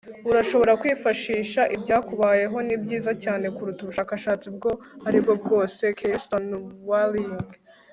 urashobora kwifashisha ibyakubayeho - ni byiza cyane kuruta ubushakashatsi ubwo ari bwo bwose. - kierston wareing